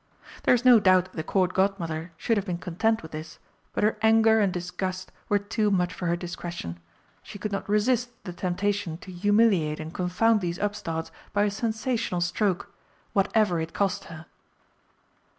There is no doubt that the Court Godmother should have been content with this, but her anger and disgust were too much for her discretion. She could not resist the temptation to humiliate and confound these upstarts by a sensational stroke, whatever it cost her.